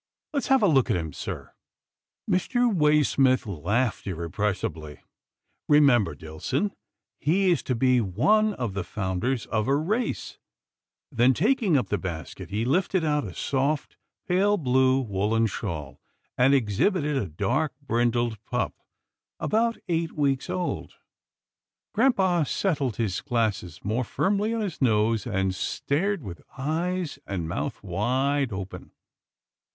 Let's have a look at him, sir." Mr. Waysmith laughed irrepressibly. " Remem ber, Dillson, he is to be one of the founders of a race," then taking up the basket, he lifted out a soft, pale blue woollen shawl, and exhibited a dark brin dled pup, about eight weeks old. Grampa settled his glasses more firmly on his nose, and stared with eyes and mouth wide open.